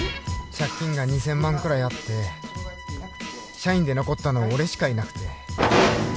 借金が２０００万くらいあって社員で残ったの俺しかいなくて。